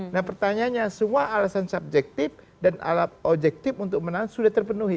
nah pertanyaannya semua alasan subjektif dan alat objektif untuk menang sudah terpenuhi